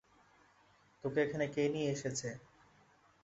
তোকে এখানে কে নিয়ে এসেছে?